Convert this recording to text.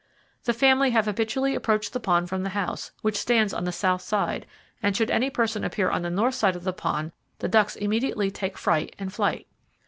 The family have habitually approached the pond from the house, which stands on the south side, and should any person appear on the north side of the pond the ducks immediately take fright and flight.